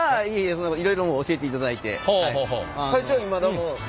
いえいえいろいろ教えていただいて。